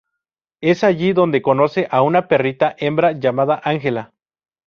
Es allí donde conoce a una perrita hembra llamada Ángela.